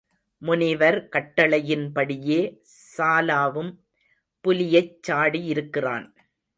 முனிவர் கட்டளையிட்டபடியே சாலாவும் புலியைச் சாடியிருக்கிறான்.